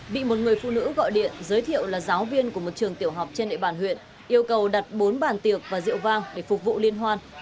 bị một người phụ nữ gọi điện giới thiệu là giáo viên của một trường tiểu học trên địa bàn huyện yêu cầu đặt bốn bàn tiệc và rượu vang để phục vụ liên hoan